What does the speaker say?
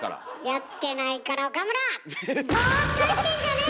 やってないから岡村！